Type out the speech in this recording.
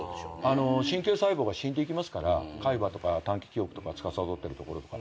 神経細胞が死んでいきますから海馬とか短期記憶とかつかさどってるところとか。